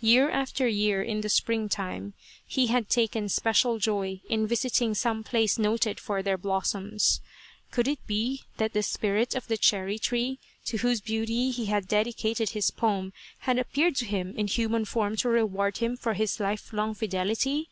Year after year, in the springtime, he had taken special joy in visiting some place noted for their blossoms. Could it be that the spirit of the cherry tree, to whose beauty he had dedicated his poem, had appeared to him in human form to reward him for his life long fidelity